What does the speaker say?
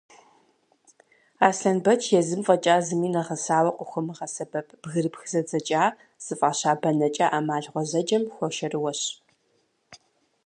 Аслъэнбэч езым фӏэкӏа зыми нэгъэсауэ къыхуэмыгъэсэбэп «бгырыпх зэдзэкӏа» зыфӏаща бэнэкӏэ ӏэмал гъуэзэджэм хуэшэрыуэщ.